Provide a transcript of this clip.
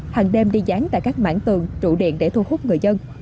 hàng đêm đi dán tại các mảng tường trụ điện để thu hút người dân